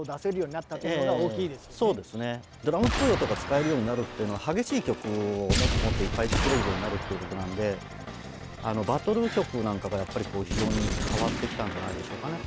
ドラムっぽい音が使えるようになるっていうのは激しい曲をもっともっといっぱい作れるようになるっていうことなんでバトル曲なんかがやっぱり非常に変わってきたんじゃないでしょうかね。